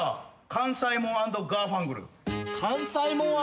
「関西モン＆ガーファンクル」？